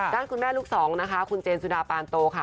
ด้านคุณแม่ลูกสองนะคะคุณเจนสุดาปานโตค่ะ